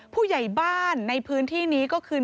ผู้ใหญ่บ้านในพื้นที่นี้ก็คือ